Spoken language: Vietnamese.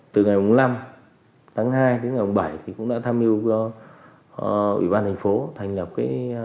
từ ngày năm tháng hai đến ngày bảy thì cũng đã tham dự ủy ban thành phố